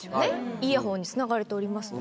イヤホンにつながれておりますので。